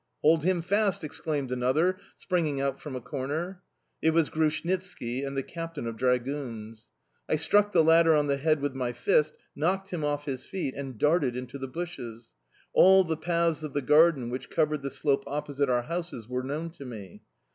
"Hold him fast!" exclaimed another, springing out from a corner. It was Grushnitski and the captain of dragoons. I struck the latter on the head with my fist, knocked him off his feet, and darted into the bushes. All the paths of the garden which covered the slope opposite our houses were known to me.